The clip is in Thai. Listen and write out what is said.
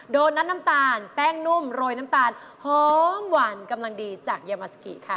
โดนน้ำตาลแป้งนุ่มโรยน้ำตาลหอมหวานกำลังดีจากยามาสกิค่ะ